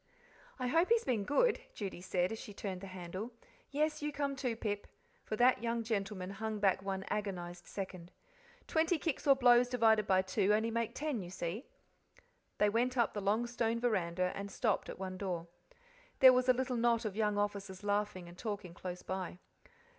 "I hope he's been good," Judy said, as she turned the handle. "Yes, you come, too, Pip" for that young gentleman hung back one agonized second. "Twenty kicks or blows divided by two only make ten, you see." They went up the long stone veranda and stopped at one door. There was a little knot of young officers laughing and talking close by.